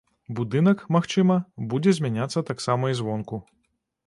Будынак, магчыма, будзе змяняцца таксама і звонку.